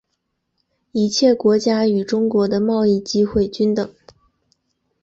一切国家与中国的贸易机会均等。